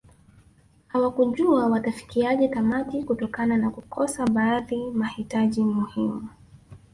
Hawakujua watafikiaje tamati kutokana na kukosa baadhi mahitaji muhimu